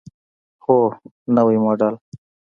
هو، نوی موډل